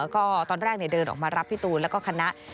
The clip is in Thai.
ก็ตอนแรกเดินออกมารับพี่ตูนแล้วก็คณะ